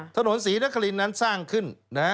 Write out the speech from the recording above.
ถนนศรีนครินนั้นสร้างขึ้น